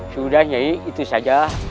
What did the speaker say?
sudah nyai itu saja